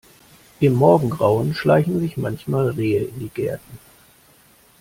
Im Morgengrauen schleichen sich manchmal Rehe in die Gärten.